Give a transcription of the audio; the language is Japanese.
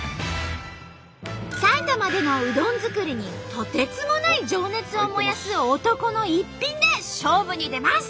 埼玉でのうどん作りにとてつもない情熱を燃やす男の一品で勝負に出ます。